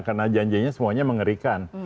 karena janjinya semuanya mengerikan